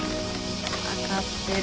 分かってる。